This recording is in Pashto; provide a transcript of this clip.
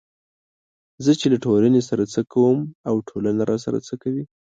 چې زه له ټولنې سره څه کوم او ټولنه راسره څه کوي